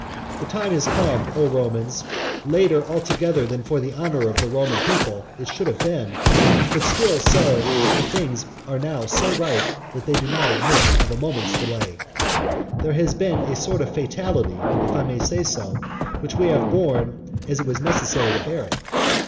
The time has come, O Romans, later altogether than for the honour of the Roman people it should have been, but still so that the things are now so ripe that they do not admit of a moment's delay. There has been a sort of fatality, if I may say so, which we have borne as it was necessary to bear it.